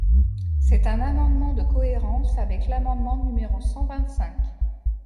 C’est un amendement de cohérence avec l’amendement numéro cent vingt-cinq.